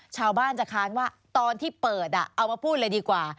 ชาวบ้านจะค้านว่าตอนที่เปิดเอามาพูดเลยดีกว่า